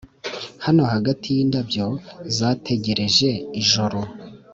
hano hagati yindabyo zategereje ijoro.